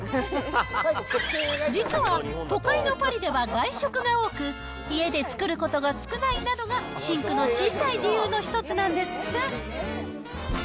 実は、都会のパリでは外食が多く、家で作ることが少ないなどが、シンクの小さい理由の一つなんですって。